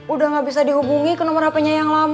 udah nggak bisa dihubungi ke nomor hp nya yang lama